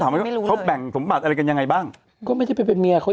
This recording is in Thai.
ที่เขาพูดที่หมายถึงแยกกันออกมาคือเก็บผ้านออกมาจากบ้านน้องผู้หญิง